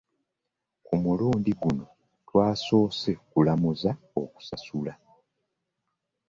Ku mulundi guno twasoose kulamuza okusasula.